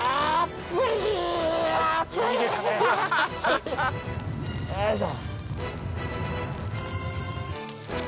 よいしょ。